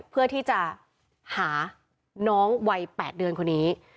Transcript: เพื่อที่จะหาน้องวัย๘เดือนคนนี้